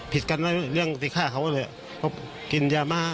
ผิดกันเรื่องติดข้างทำเลยกินยาบ้า